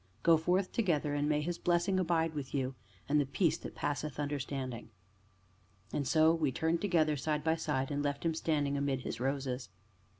Go forth together, and may His blessing abide with you, and the 'peace that passeth understanding.'" And so we turned together, side by side, and left him standing amid his roses.